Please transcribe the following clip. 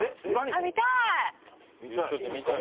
見たい！